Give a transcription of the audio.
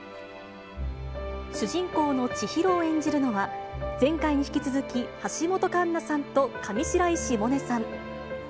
主人公の千尋を演じるのは、前回に引き続き、橋本環奈さんと上白石萌音さん。